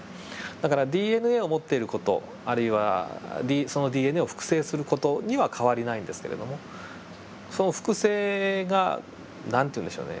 だからＤＮＡを持っている事あるいはそのＤＮＡを複製する事には変わりないんですけれどもその複製が何て言うんでしょうね